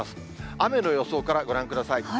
雨の予想からご覧ください。